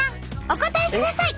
お答えください！